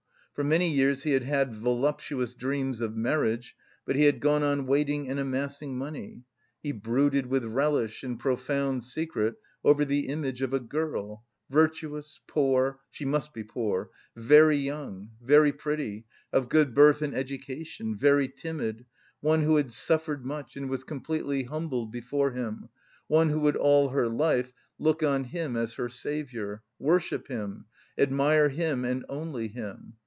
For many years he had had voluptuous dreams of marriage, but he had gone on waiting and amassing money. He brooded with relish, in profound secret, over the image of a girl virtuous, poor (she must be poor), very young, very pretty, of good birth and education, very timid, one who had suffered much, and was completely humbled before him, one who would all her life look on him as her saviour, worship him, admire him and only him.